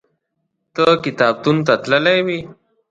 ته کتابتون ته تللی وې؟